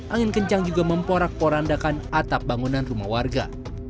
angin kencang juga memporak porandakan atap bangunan rumah warga